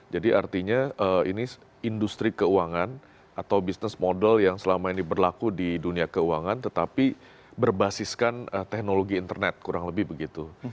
jadi artinya ini industri keuangan atau bisnis model yang selama ini berlaku di dunia keuangan tetapi berbasiskan teknologi internet kurang lebih begitu